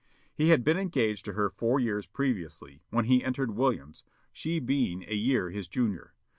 He had been engaged to her four years previously, when he entered Williams, she being a year his junior.